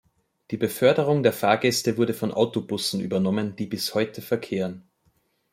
Die Beförderung der Fahrgäste wurde von Autobussen übernommen, die bis heute verkehren.